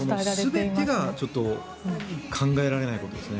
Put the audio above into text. その全てが考えられないことですね。